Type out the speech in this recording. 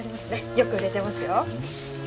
よく売れてますよ。